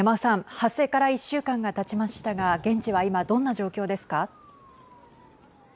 発生から１週間がたちましたが現地は今どんな状況ですか。